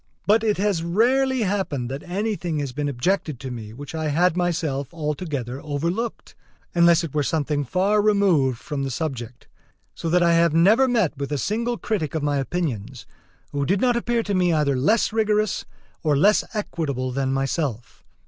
But it has rarely happened that anything has been objected to me which I had myself altogether overlooked, unless it were something far removed from the subject: so that I have never met with a single critic of my opinions who did not appear to me either less rigorous or less equitable than myself.